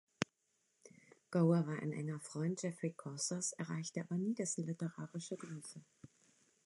Gower war ein enger Freund Geoffrey Chaucers, erreichte aber nie dessen literarische Größe.